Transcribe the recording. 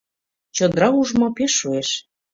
Чодыра ужмо пеш шуэш!...